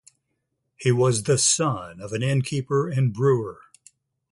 He was the son of an innkeeper and brewer.